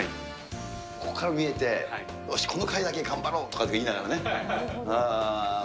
ここから見えて、よし、この回だけ頑張ろうとかって言いながらね。